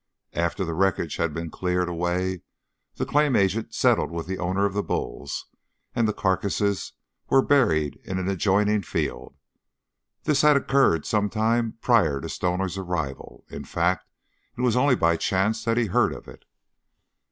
After the wreckage had been cleared away, the claim agent settled with the owner of the bulls and the carcasses were buried in an adjoining field. This had occurred some time prior to Stoner's arrival; in fact, it was only by chance that he heard of it.